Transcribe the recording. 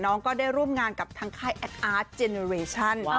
ก็ได้ร่วมงานกับทางค่ายแอคอาร์ตเจเนอร์เวชั่น